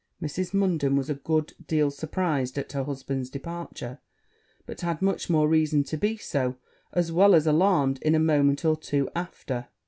Mrs. Munden was a good deal surprized at her husband's departure; but had much more reason to be so, as well as alarmed, in a moment or two after.